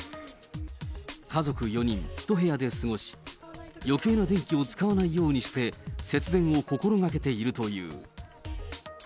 家族４人、１部屋で過ごし、よけいな電気を使わないようにして、節電を心がけているという。